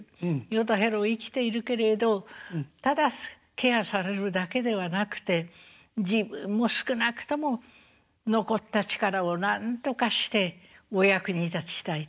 ヨタヘロ生きているけれどただケアされるだけではなくて自分も少なくとも残った力をなんとかしてお役に立ちたい。